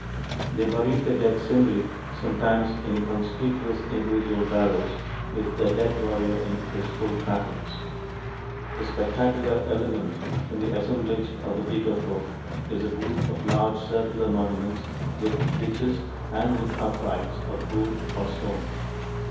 They buried their dead singly, sometimes in conspicuous individual barrows with the dead warrior in his full trappings. The spectacular element in the assemblage of the Beaker folk is a group of large circular monuments with ditches and with uprights of wood or stone.